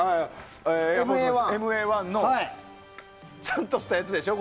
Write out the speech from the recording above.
ＭＡ‐１のちゃんとしたやつでしょ？